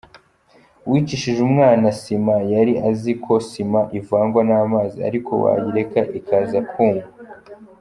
Uwicishije umwana sima yari azi ko sima ivangwa n’amazi ariko wayireka ikaza kwuma.